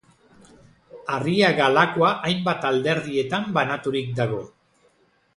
Arriaga-Lakua hainbat alderdietan banaturik dago.